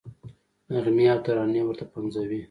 نغمې او ترانې ورته پنځوي.